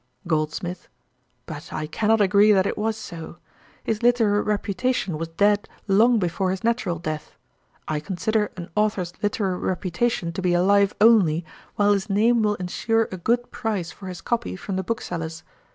GOLDSMITH. 'But I cannot agree that it was so. His literary reputation was dead long before his natural death. I consider an authour's literary reputation to be alive only while his name will ensure a good price for his copy from the booksellers.